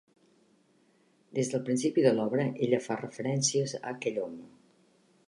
Des del principi de l'obra, ella fa referències a aquell home.